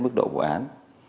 mức độ vụ án